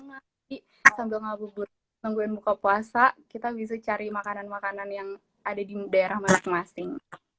jadi sambil ngabur bubur nungguin buka puasa kita bisa cari makanan makanan yang ada di daerah masing masing